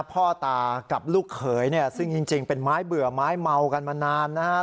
พ่อตากับลูกเขยเนี่ยซึ่งจริงเป็นไม้เบื่อไม้เมากันมานานนะครับ